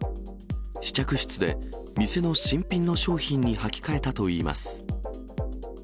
試着室で、店の新品の商品にはき替えたといいます。